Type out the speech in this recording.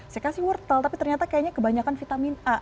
saya kasih wortel tapi ternyata kayaknya kebanyakan vitamin a